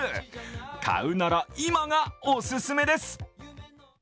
買うなら今がオススメです！